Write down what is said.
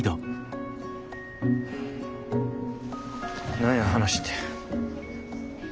何や話って。